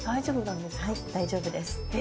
はい大丈夫です。え！